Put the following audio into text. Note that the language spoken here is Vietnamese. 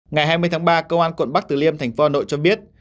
ngày hai mươi tháng ba công an quận bắc từ liêm thành phố hà nội cho biết